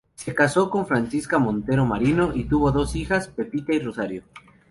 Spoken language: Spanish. Se casó con Francisca Montero Marino, y tuvo dos hijas, Pepita y Rosario.